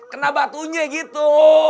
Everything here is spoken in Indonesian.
kena batunya gitu